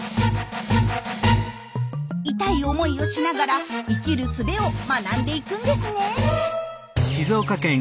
痛い思いをしながら生きるすべを学んでいくんですね。